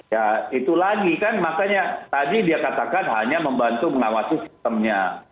ya itu lagi kan makanya tadi dia katakan hanya membantu mengawasi sistemnya